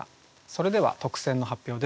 それでは特選の発表です。